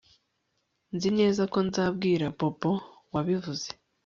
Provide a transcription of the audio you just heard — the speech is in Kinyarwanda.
Nzi neza ko nzabwira Bobo wabivuze